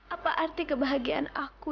apa arti kebahagiaan aku